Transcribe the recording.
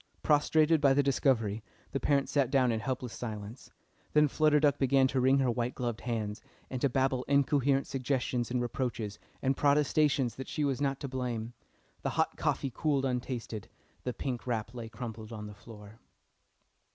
Prostrated by the discovery, the parents sat down in helpless silence. Then Flutter Duck began to wring her white gloved hands, and to babble incoherent suggestions and reproaches, and protestations that she was not to blame. The hot coffee cooled untasted, the pink wrap lay crumpled on the floor.